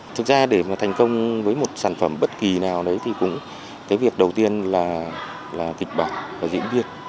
thực ra để mà thành công với một sản phẩm bất kỳ nào đấy thì cũng cái việc đầu tiên là kịch bản và diễn viên